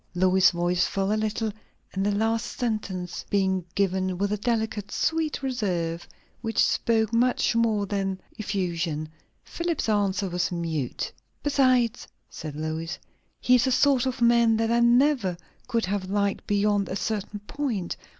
Lois's voice fell a little; the last sentence being given with a delicate, sweet reserve, which spoke much more than effusion. Philip's answer was mute. "Besides," said Lois, "he is a sort of man that I never could have liked beyond a certain point.